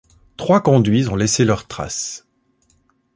Trois conduits ont laissé leurs traces.